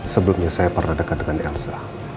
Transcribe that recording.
sebelumnya saya pernah dekat dengan delsa